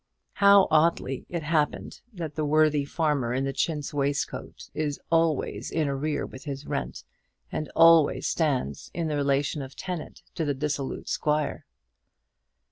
How oddly it happens that the worthy farmer in the chintz waistcoat is always in arrear with his rent, and always stands in the relation of tenant to the dissolute squire!